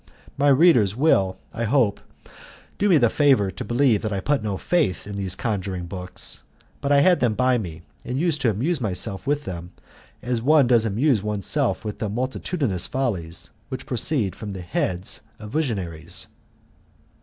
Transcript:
My readers will, I hope, do me the favour to believe that I put no faith in these conjuring books, but I had them by me and used to amuse myself with them as one does amuse one's self with the multitudinous follies which proceed from the heads of visionaries.